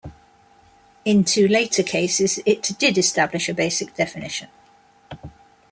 In two later cases, it did establish a basic definition.